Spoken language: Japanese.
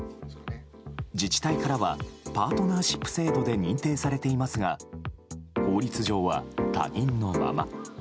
自治体からはパートナーシップ制度で認定されていますが法律上は、他人のまま。